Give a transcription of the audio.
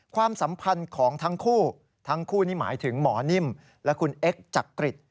ความสัมพันธ์ของทั้งคู่ทั้งคู่นี่หมายถึงหมอนิ่มและคุณเอ็กซ์จักริต